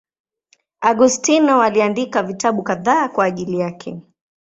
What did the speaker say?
Augustino aliandika vitabu kadhaa kwa ajili yake.